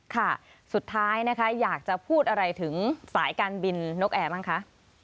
ค่ะสุดท้ายนะคะอยากจะพูดอะไรถึงสายการบินนกแอร์บ้างคะ